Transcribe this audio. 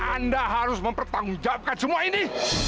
anda harus mempertanggungjawabkan semua ini